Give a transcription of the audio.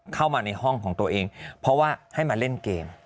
เข้ามาในห้องของตัวเองเพราะว่าให้มาเล่นเกม